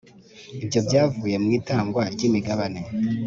Ibyo byavuye mu itangwa ry’imigabane